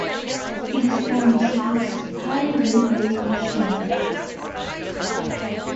It is from Zhuhai railway station.